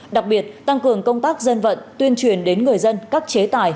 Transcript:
đặc biệt tăng cường công tác dân vận tuyên truyền đến người dân các chế tài